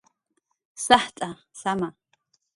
Sajt'a, saama